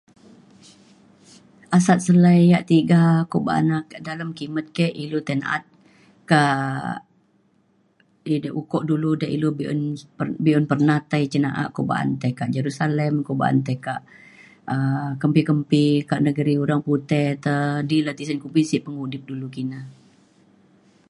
Asat selai yak tiga ku ba’an kak dalem kimet ke ilu tai na’at kak edei di ukok ilu de be’un be’un pernah tai cin na’a ko ba’an tai kak Jerusalem ko ba’an tai kak um kembi kembi kak negeri orang putih te di le tisen kumbi sik pemudip dulu kina.